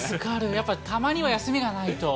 やっぱりたまには休みがないと。